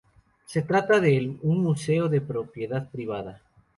Se trata de un museo de propiedad privada.